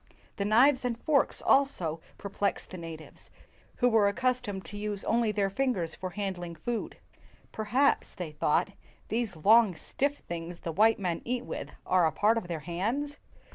The knives and forks also perplexed the natives, who were accustomed to use only their fingers for handling food. "Per haps," they thought, " these long, stiff things the white men eat with are a part of their hands."